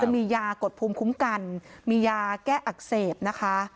มียากดภูมิคุ้มกันมียาแก้อักเสบนะคะ